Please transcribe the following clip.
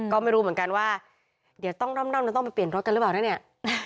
ก็ไม่รู้เหมือนกันว่าเดี๋ยวต้องร่ำนั้นต้องไปเปลี่ยนรถกันหรือเปล่านะเนี่ย